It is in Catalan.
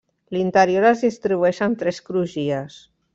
L'interior es distribueix en tres crugies.